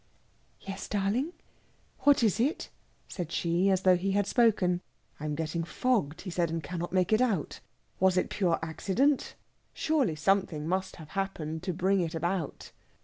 "Yes, darling, what is it?" said she, as though he had spoken. "I am getting fogged!" he said, "and cannot make it out. Was it pure accident? Surely something must have happened to bring it about."